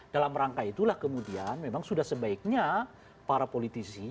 dalam rangka itulah kemudian memang sudah sebaiknya para politisi